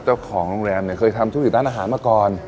เจ้าของโรงแรมเนี่ยเคยทำธุรกิจร้านอาหารมาก่อน